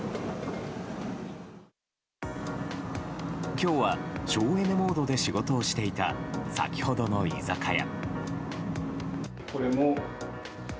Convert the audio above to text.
今日は、省エネモードで仕事をしていた先ほどの居酒屋。